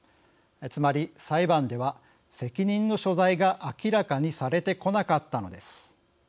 つまり裁判では責任の所在が明らかにされてこなかったのです。